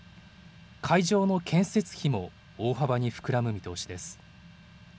会場の建設費も大幅に膨らむ見通しです。